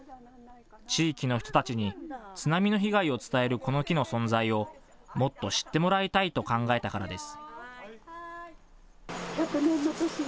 地域の人たちに津波の被害を伝えるこの木の存在をもっと知ってもらいたいと考えたからです。